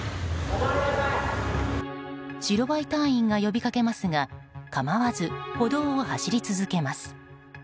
白バイ隊員が呼びかけますがかまわず歩道を走り続けます。